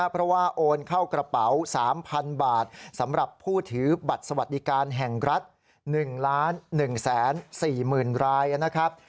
เพราะว่าโอนเข้ากระเป๋า๓๐๐๐บาทสำหรับผู้ถือบัตรสวัสดิการแห่งรัฐ๑๑๔๐๐๐รายนะครับ